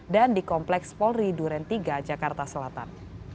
dan di kompleks polri duren tiga jakarta selatan